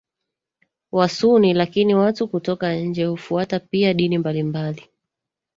Wasuni lakini watu kutoka nje hufuata pia dini mbalimbali